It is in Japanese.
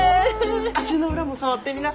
足の裏も触ってみな！